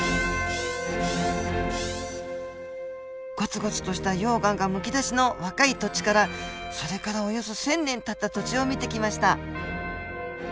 ゴツゴツとした溶岩がむき出しの若い土地からそれからおよそ１，０００年たった土地を見てきました。